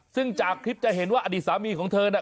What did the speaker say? ซึ่งจากคลิปจะเห็นว่าอดีตสามีของเธอน่ะ